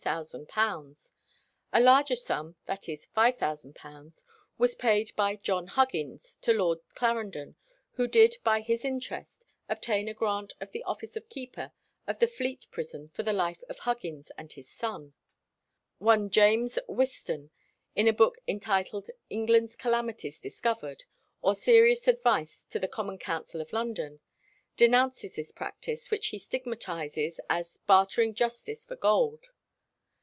A larger sum, viz., £5,000, was paid by John Huggins to Lord Clarendon, who "did by his interest" obtain a grant of the office of keeper of the Fleet Prison for the life of Huggins and his son. One James Whiston, in a book entitled "England's Calamities Discovered, or Serious Advice to the Common Council of London," denounces this practice, which he stigmatizes as "bartering justice for gold."